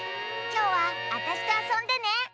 きょうはあたしとあそんでね！